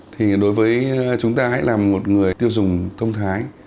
thì đối với chúng ta hãy là một người tiêu dùng thông thái